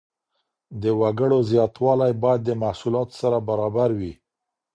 د وګړو زياتوالی بايد د محصولاتو سره برابر وي.